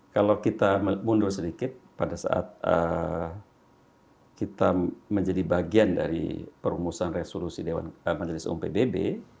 kalau kita mundur sedikit pada saat kita menjadi bagian dari perumusan resolusi majelis umpdb